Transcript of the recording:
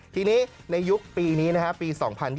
ทีนี้ในยุคปีนี้นะครับปี๒๐๒๐